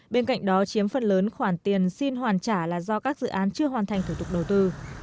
bên cạnh đó chiếm phần lớn khoản tiền xin hoàn trả là do các dự án chưa hoàn thành thủ tục đầu tư